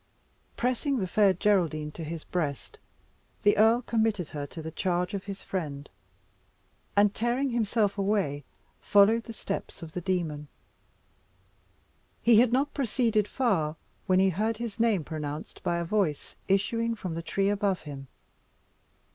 Pressing the Fair Geraldine to his breast, the Earl committed her to the charge of his friend, and tearing himself away, followed the steps of the demon. He had not proceeded far when he heard his name pronounced by a voice issuing from the tree above him.